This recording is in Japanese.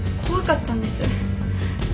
怖かったんです。